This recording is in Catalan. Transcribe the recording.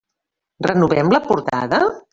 Renovem la portada?